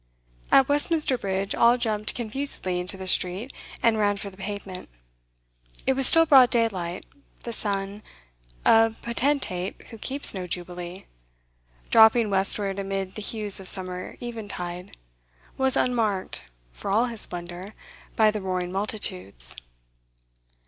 At Westminster Bridge all jumped confusedly into the street and ran for the pavement. It was still broad daylight; the sun a potentate who keeps no Jubilee dropping westward amid the hues of summer eventide, was unmarked, for all his splendour, by the roaring multitudes.